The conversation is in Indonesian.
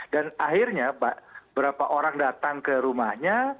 dan akhirnya beberapa orang datang ke rumahnya